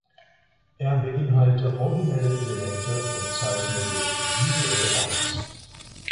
Er beinhalte originelle Elemente und zeichne sich visuell aus.